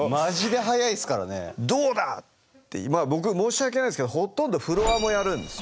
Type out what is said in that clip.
まあ僕申し訳ないですけどほとんどフロアもやるんですよ。